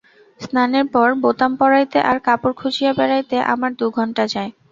স্নানের পর বোতাম পরাইতে আর কাপড় খুঁজিয়া বেড়াইতে আমার দু ঘণ্টা যায়।